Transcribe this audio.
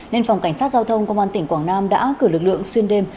nên phòng cảnh sát giao thông công an tỉnh quảng nam đã cử lực lượng xuyên đêm